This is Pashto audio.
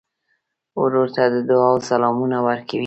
ورور ته د دعا سلامونه ورکوې.